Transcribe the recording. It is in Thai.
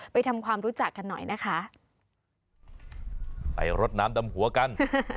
ทำความรู้จักกันหน่อยนะคะไปรดน้ำดำหัวกัน